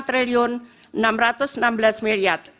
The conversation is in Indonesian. tujuh puluh lima enam ratus enam belas rupiah